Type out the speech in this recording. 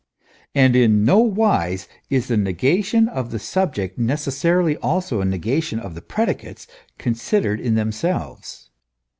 And in no wise is the negation of the subject necessarily also a negation of the predicates considered in themselves.